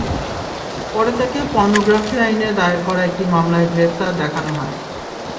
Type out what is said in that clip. পরে তাঁকে পর্নোগ্রাফি আইনে দায়ের করা একটি মামলায় গ্রেপ্তার দেখানো হয়।